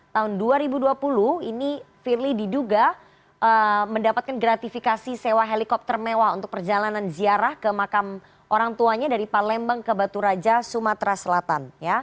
tahun dua ribu dua puluh ini firly diduga mendapatkan gratifikasi sewa helikopter mewah untuk perjalanan ziarah ke makam orang tuanya dari palembang ke batu raja sumatera selatan